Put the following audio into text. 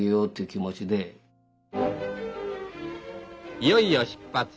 「いよいよ出発。